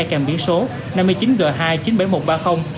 càng biển số năm mươi chín g hai trăm chín mươi bảy nghìn một trăm ba mươi